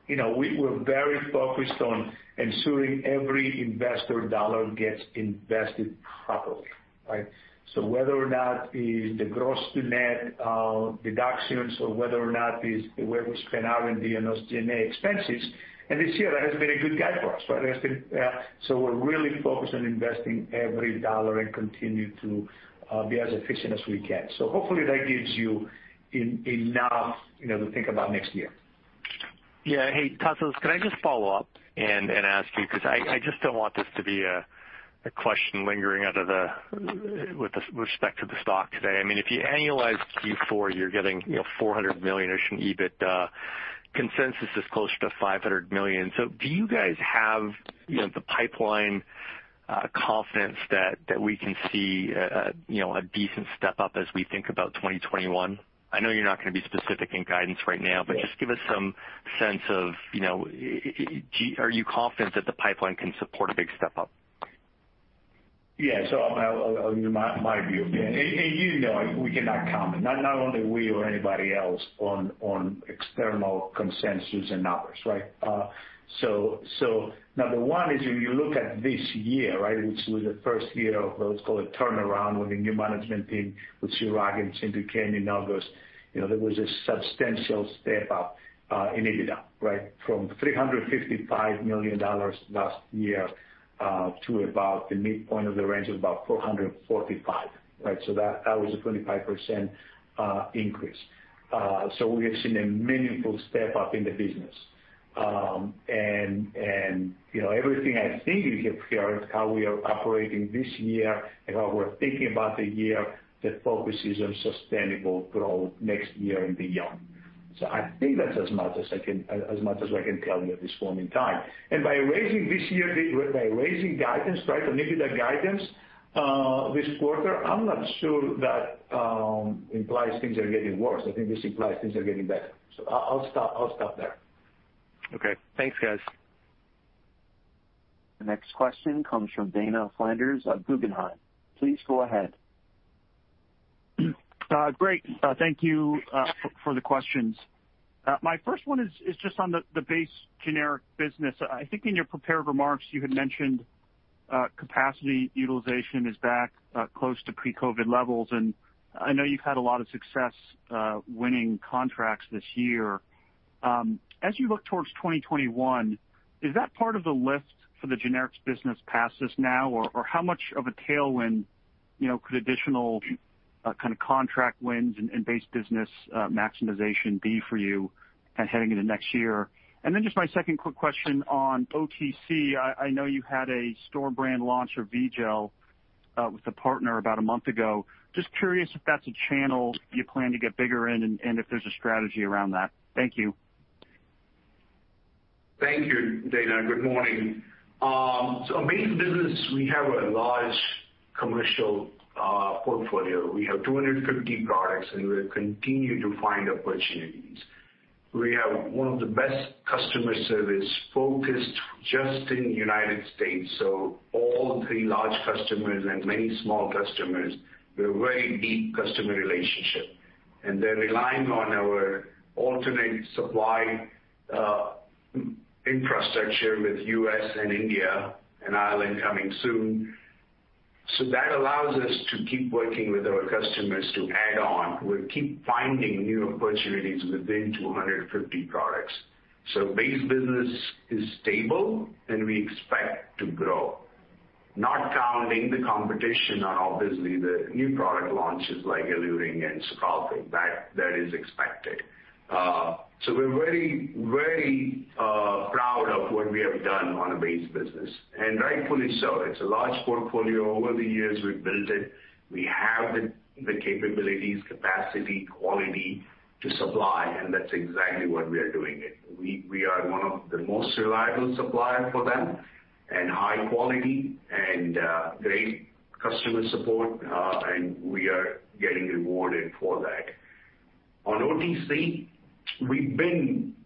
we're very focused on ensuring every investor dollar gets invested properly, right? Whether or not is the gross-to-net deductions or whether or not is the way we spend R&D and those G&A expenses, and this year that has been a good guide for us, right? We're really focused on investing every dollar and continue to be as efficient as we can. Hopefully that gives you enough to think about next year. Yeah. Hey, Tasos, can I just follow up and ask you, because I just don't want this to be a question lingering with respect to the stock today. If you annualize Q4, you're getting $400 million-ish in EBITDA. Consensus is closer to $500 million. Do you guys have the pipeline confidence that we can see a decent step up as we think about 2021? I know you're not going to be specific in guidance right now- Yeah Just give us some sense of, are you confident that the pipeline can support a big step up? Yeah. I'll give my view. You know we cannot comment, not only we or anybody else, on external consensus and numbers, right? Number one is if you look at this year, right, which was the first year of what's called a turnaround with the new management team, with Chirag and Chintu came in August. There was a substantial step up in EBITDA, right? From $355 million last year, to about the midpoint of the range of about $445 million, right? That was a 25% increase. We have seen a meaningful step up in the business. Everything I think you hear is how we are operating this year and how we're thinking about the year that focuses on sustainable growth next year and beyond. I think that's as much as I can tell you at this point in time. By raising this year, by raising guidance, right, or EBITDA guidance this quarter, I'm not sure that implies things are getting worse. I think this implies things are getting better. I'll stop there. Okay. Thanks, guys. The next question comes from Dana Flanders of Guggenheim. Please go ahead. Great. Thank you for the questions. My first one is just on the base generic business. I think in your prepared remarks, you had mentioned capacity utilization is back close to pre-COVID levels, and I know you've had a lot of success winning contracts this year. As you look towards 2021, is that part of the lift for the generics business past this now? How much of a tailwind could additional kind of contract wins and base business maximization be for you kind of heading into next year? Just my second quick question on OTC. I know you had a store brand launch of V-Gel with a partner about a month ago. Just curious if that's a channel you plan to get bigger in and if there's a strategy around that. Thank you. Thank you, Dana. Good morning. Base business, we have a large commercial portfolio. We have 250 products, and we'll continue to find opportunities. We have one of the best customer service focused just in the United States, so all three large customers and many small customers, we have very deep customer relationship, and they're relying on our alternate supply infrastructure with the U.S. and India and Ireland coming soon. That allows us to keep working with our customers to add on. We'll keep finding new opportunities within 250 products. Base business is stable, and we expect to grow, not counting the competition on obviously the new product launches like EluRyng and sucralfate. That is expected. We're very proud of what we have done on a base business, and rightfully so. It's a large portfolio. Over the years, we've built it. We have the capabilities, capacity, quality to supply, that's exactly what we are doing it. We are one of the most reliable supplier for them and high quality and great customer support, and we are getting rewarded for that. On OTC, we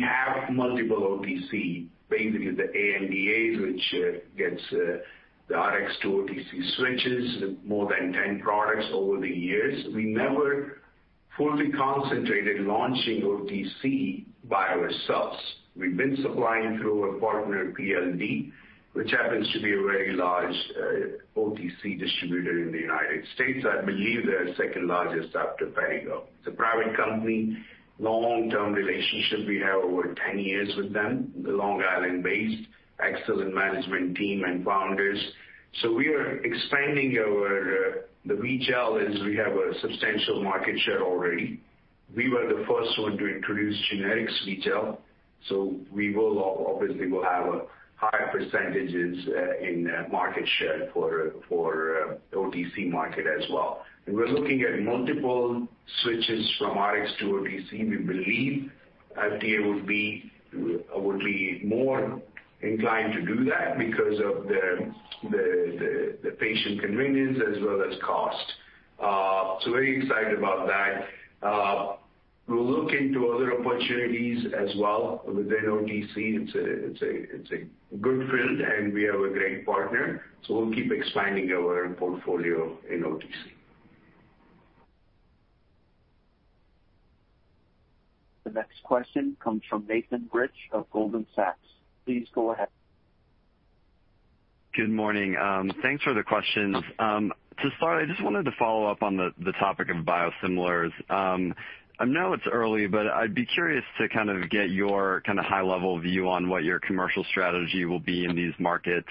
have multiple OTC, basically the ANDAs, which gets the RX to OTC switches, more than 10 products over the years. We never fully concentrated launching OTC by ourselves. We've been supplying through our partner, PLD, which happens to be a very large OTC distributor in the United States. I believe they're second largest after Perrigo. It's a private company, long-term relationship. We have over 10 years with them, they're Long Island-based, excellent management team and founders. We are expanding our Voltaren Gel, we have a substantial market share already. We were the first one to introduce generics Voltaren Gel. We will obviously have higher percentages in market share for OTC market as well. We're looking at multiple switches from RX to OTC. We believe FDA would be more inclined to do that because of the patient convenience as well as cost. Very excited about that. We'll look into other opportunities as well within OTC. It's a good field, and we have a great partner, so we'll keep expanding our portfolio in OTC. The next question comes from Nathan Rich of Goldman Sachs. Please go ahead. Good morning. Thanks for the questions. To start, I just wanted to follow up on the topic of biosimilars. I know it's early, but I'd be curious to kind of get your kind of high level view on what your commercial strategy will be in these markets.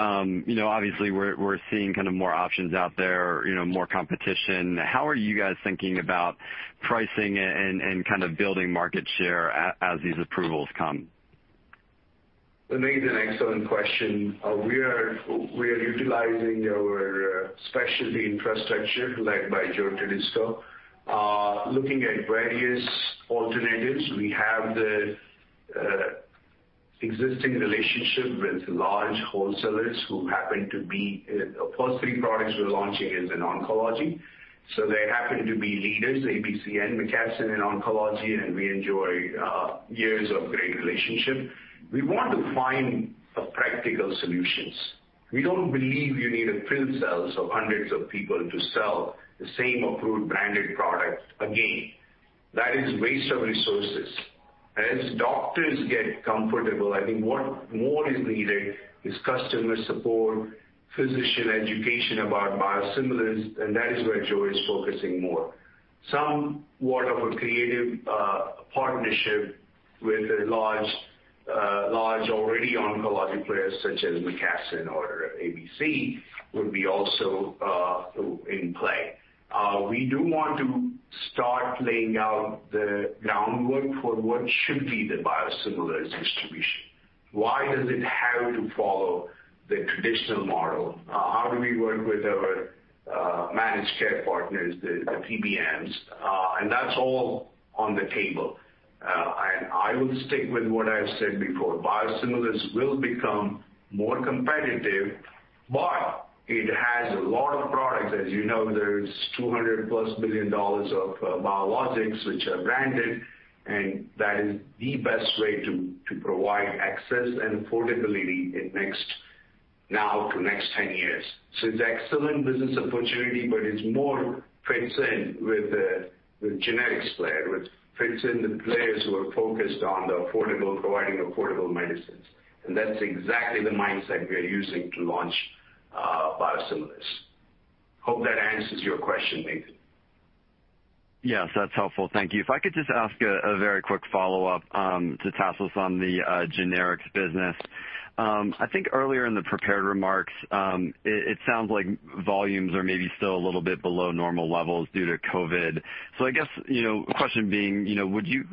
Obviously, we're seeing kind of more options out there, more competition. How are you guys thinking about pricing and kind of building market share as these approvals come? Nathan, excellent question. We are utilizing our specialty infrastructure led by Joseph Todisco. Looking at various alternatives, we have the existing relationship with large wholesalers who happen to be The first three products we're launching is in oncology. They happen to be leaders, AmerisourceBergen and McKesson in oncology, and we enjoy years of great relationship. We want to find practical solutions. We don't believe you need a field sales of hundreds of people to sell the same approved branded product again. That is waste of resources. As doctors get comfortable, I think what more is needed is customer support, physician education about biosimilars, and that is where Joe is focusing more. Somewhat of a creative partnership with large already oncology players such as McKesson or AmerisourceBergen would be also in play. We do want to start laying out the groundwork for what should be the biosimilars distribution. Why does it have to follow the traditional model? How do we work with our managed care partners, the PBMs? That's all on the table. I will stick with what I've said before. Biosimilars will become more competitive. It has a lot of products. As you know, there's $200+ billion of biologics, which are branded, that is the best way to provide access and affordability now to next 10 years. It's excellent business opportunity, but it more fits in with the generics player. It fits in the players who are focused on providing affordable medicines. That's exactly the mindset we are using to launch biosimilars. Hope that answers your question, Nathan. Yes, that's helpful. Thank you. If I could just ask a very quick follow-up to Tasos on the generics business. I think earlier in the prepared remarks, it sounds like volumes are maybe still a little bit below normal levels due to COVID-19. I guess, the question being, would you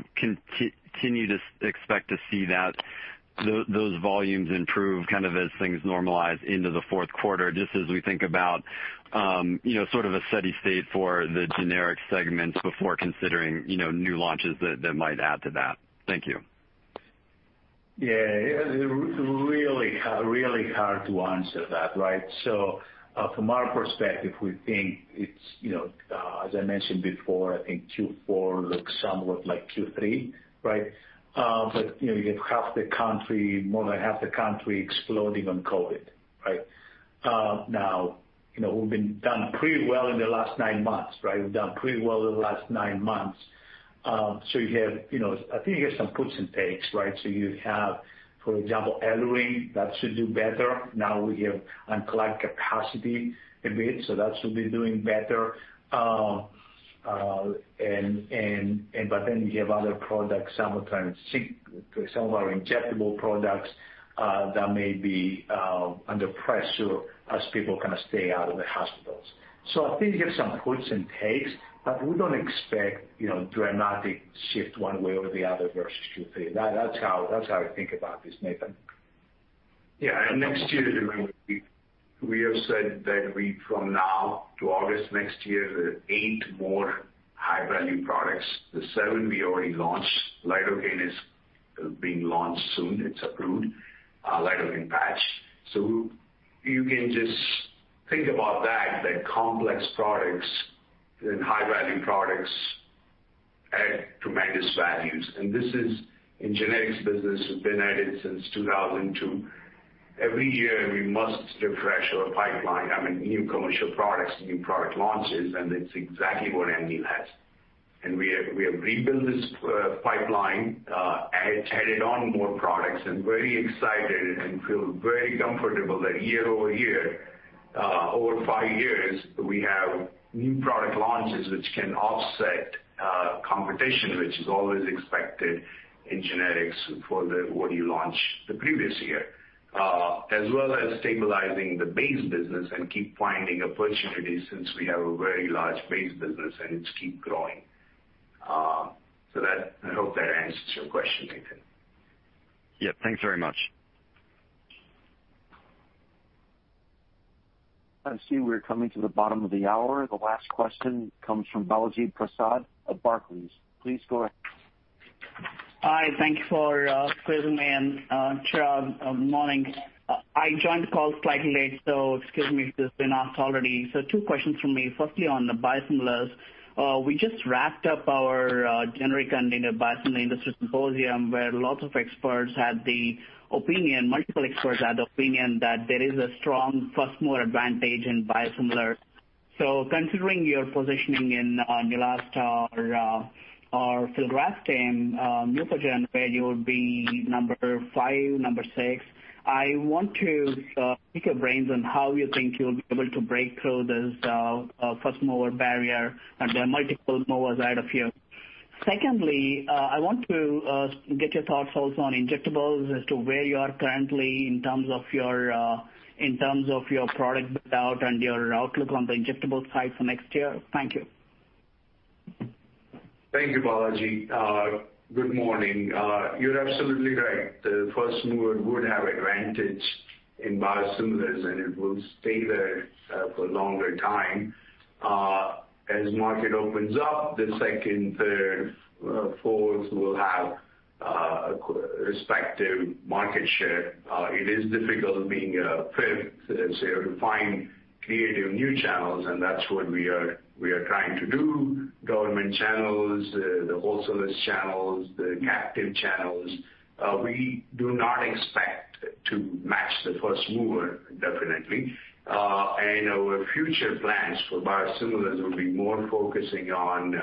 continue to expect to see those volumes improve as things normalize into the fourth quarter, just as we think about a steady state for the generic segment before considering new launches that might add to that? Thank you. Yeah. Really hard to answer that. From our perspective, as I mentioned before, I think Q4 looks somewhat like Q3, right? You have more than half the country exploding on COVID-19. We've done pretty well in the last nine months. I think you have some puts and takes. You have, for example, EluRyng, that should do better. We have unlocked capacity a bit, so that should be doing better. You have other products, some of our injectable products, that may be under pressure as people stay out of the hospitals. I think you have some puts and takes, but we don't expect dramatic shift one way or the other versus Q3. That's how I think about this, Nathan. Yeah. Next year, remember, we have said that from now to August next year, eight more high-value products. The seven we already launched. lidocaine is being launched soon. It's approved, lidocaine patch. You can just think about that complex products and high-value products add tremendous values. This is in generics business, we've been at it since 2002. Every year, we must refresh our pipeline. I mean, new commercial products, new product launches, and it's exactly what Amneal has. We have rebuilt this pipeline, added on more products, and very excited and feel very comfortable that YoY, over five years, we have new product launches, which can offset competition, which is always expected in generics for what you launched the previous year. As well as stabilizing the base business and keep finding opportunities since we have a very large base business, and it's keep growing. I hope that answers your question, Nathan. Yeah. Thanks very much. I see we're coming to the bottom of the hour. The last question comes from Balaji Prasad of Barclays. Please go ahead. Hi. Thank you for including me, Chirag, morning. I joined the call slightly late, excuse me if this has been asked already. Two questions from me. Firstly, on the biosimilars. We just wrapped up our generic and biosimilar industry symposium, where lots of experts had the opinion that there is a strong first-mover advantage in biosimilar. Considering your positioning in Neulasta or filgrastim Neupogen, where you would be number five, number six, I want to pick your brains on how you think you'll be able to break through this first-mover barrier, and there are multiple movers out of here. Secondly, I want to get your thoughts also on injectables as to where you are currently in terms of your product build-out and your outlook on the injectable side for next year. Thank you. Thank you, Balaji. Good morning. You're absolutely right. The first mover would have advantage in biosimilars, and it will stay there for longer time. As market opens up, the second, third, fourth will have respective market share. It is difficult being fifth, so you have to find creative new channels, and that's what we are trying to do. Government channels, the wholesalers channels, the captive channels. We do not expect to match the first mover, definitely. Our future plans for biosimilars will be more focusing on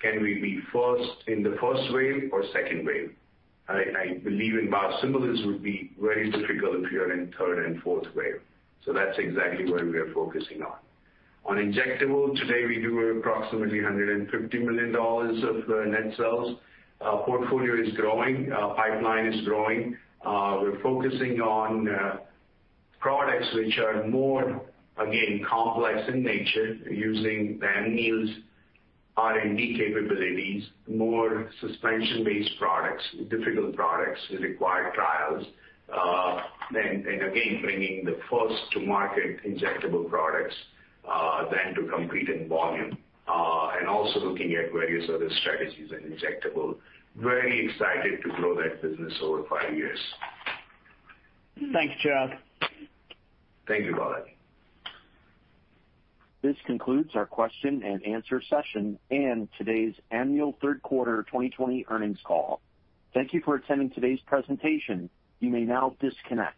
can we be in the first wave or second wave. I believe in biosimilars would be very difficult if you're in third and fourth wave. That's exactly where we are focusing on. On injectable, today we do approximately $150 million of net sales. Our portfolio is growing. Our pipeline is growing. We're focusing on products which are more, again, complex in nature, using Amneal's R&D capabilities, more suspension-based products, difficult products that require trials. Again, bringing the first to market injectable products, then to compete in volume. Also looking at various other strategies in injectable. Very excited to grow that business over five years. Thanks, Chirag. Thank you, Balaji. This concludes our question-and-answer session and today's annual third quarter 2020 earnings call. Thank you for attending today's presentation. You may now disconnect.